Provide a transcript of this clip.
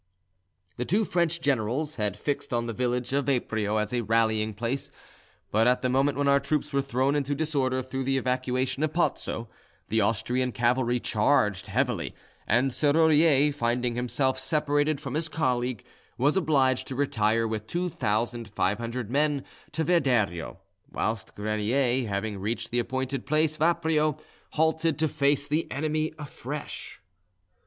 The two French generals had fixed on the village of Vaprio as a rallying place, but at the moment when our troops were thrown into disorder through the evacuation of Pozzo, the Austrian cavalry charged heavily, and Serrurier, finding himself separated from his colleague, was obliged to retire with two thousand five hundred men to Verderio, whilst Grenier, having reached the appointed place, Vaprio, halted to face the enemy afresh.